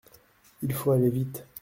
Il faut aller vite.